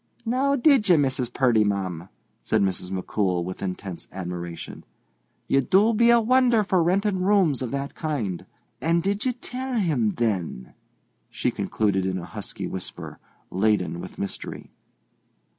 "Now, did ye, Mrs. Purdy, ma'am?" said Mrs. McCool, with intense admiration. "You do be a wonder for rentin' rooms of that kind. And did ye tell him, then?" she concluded in a husky whisper, laden with mystery.